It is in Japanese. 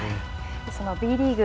そのＢリーグ